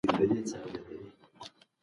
ستنېدنه امن چاپيريال غواړي.